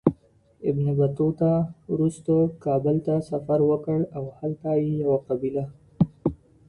ابن بطوطه وروسته کابل ته سفر وکړ او هلته یې یوه قبیله